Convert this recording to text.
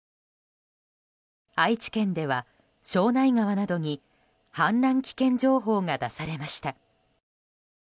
愛知県では庄内川などに氾濫危険情報が出されました。